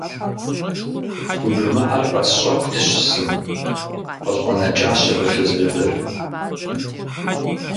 ПхужымыӀэр къэсщӀэху дыщысын? – къыщӀэнэкӀащ абы фызыжьыр.